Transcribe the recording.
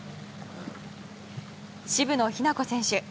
渋野日向子選手